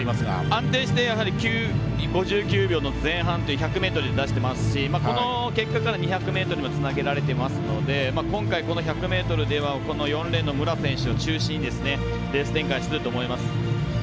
安定して５９秒の前半１００ｍで出していますしこの結果から２００ｍにもつながっていますので今回１００ｍでは４レーンの武良選手を中心にレース展開すると思います。